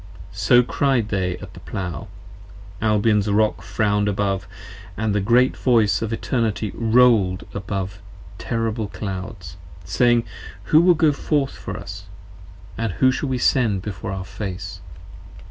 So cried they at the Plow. Albion's Rock frowned above, And the Great Voice of Eternity rolled above terrible in clouds, 69 Saying, Who will go forth for us: & Who shall we send before our face?